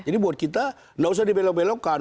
jadi buat kita tidak usah dibelok belokkan